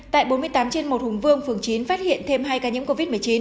tại bốn mươi tám trên một hùng vương phường chín phát hiện thêm hai ca nhiễm covid một mươi chín